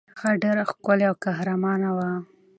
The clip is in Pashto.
هغه ډېره ښکلې او قهرمانه وه.